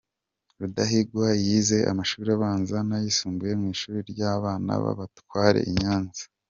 Rudahigwa yize amashuri abanza n’ayisumbuye mu ishuri ry’abana b’abatware i Nyanza.